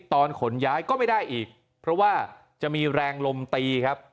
ขนย้ายก็ไม่ได้อีกเพราะว่าจะมีแรงลมตีครับ